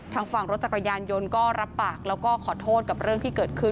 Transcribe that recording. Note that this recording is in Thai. ทางฝั่งรถจักรยานยนต์ก็รับปากแล้วก็ขอโทษกับเรื่องที่เกิดขึ้น